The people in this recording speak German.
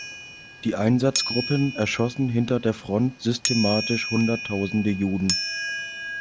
Die Einsatzgruppen erschossen hinter der Front systematisch hunderttausende Juden.